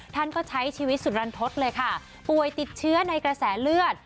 ท่านก็ใช้ชีวิตสุดรันทศเลยค่ะป่วยติดเชื้อในกระแสเลือด